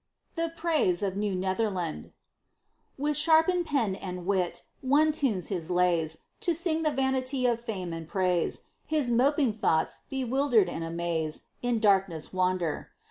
THE PRAISE OF NEW NETHERLAND With sharpened pen and wit, one tunes his lays, To sing the vanity of fame and praise; His moping thoughts, bewildered in a maze, In darkness wander.